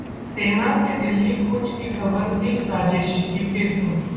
सेना के दिल्ली कूच की खबर थी साजिश: वी के सिंह